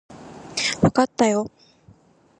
わかったよ